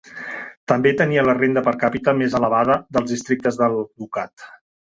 També tenia la renda per càpita més elevada dels districtes del ducat.